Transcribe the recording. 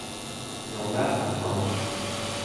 Nyomdásznak tanult.